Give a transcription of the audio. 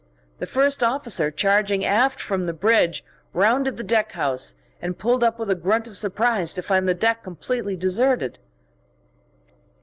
The first officer, charging aft from the bridge, rounded the deck house and pulled up with a grunt of surprise to find the deck completely deserted....